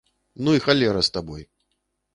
Ну і халера з табой!